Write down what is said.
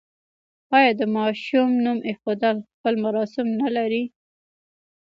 آیا د ماشوم نوم ایښودل خپل مراسم نلري؟